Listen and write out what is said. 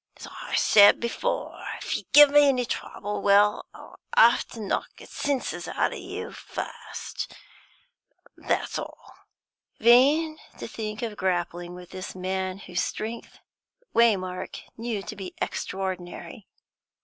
As I said before, if you give me any trouble, well, I'll 'ave to knock the senses out o' you fust, that's all." Vain to think of grappling with the man, whose strength Waymark knew to be extraordinary.